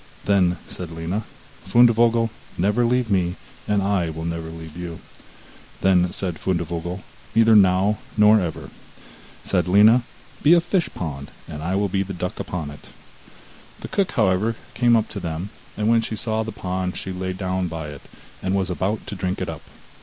Then said Lina: 'Fundevogel, never leave me, and I will never leave you.' Then said Fundevogel: 'Neither now, nor ever.' Said Lina: 'Be a fishpond, and I will be the duck upon it.' The cook, however, came up to them, and when she saw the pond she lay down by it, and was about to drink it up.